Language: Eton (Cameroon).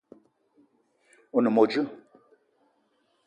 O ne mo djeue?